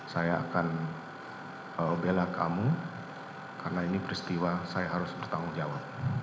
saya akan bela kamu karena ini peristiwa saya harus bertanggung jawab